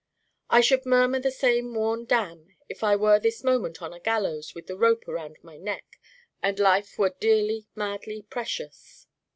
I should murmur the same worn Damn if I were this moment on a gallows with the rope around my neck and life were dearly madly precious.